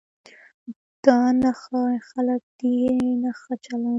دا نه ښه خلک دي نه ښه چلند.